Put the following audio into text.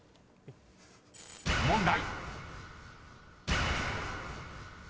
［問題］